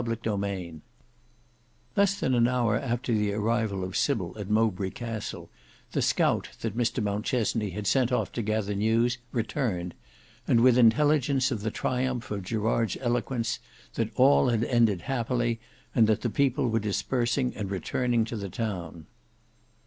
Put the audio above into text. Book 6 Chapter 12 Less than an hour after the arrival of Sybil at Mowbray Castle the scout that Mr Mountchesney had sent off to gather news returned, and with intelligence of the triumph of Gerard's eloquence, that all had ended happily, and that the people were dispersing and returning to the town.